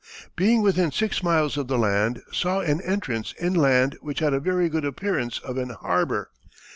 Being within six miles of the land, saw an entrance in land which had a very good appearance of an harbour....